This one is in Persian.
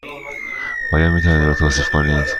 آیا می توانید او را توصیف کنید؟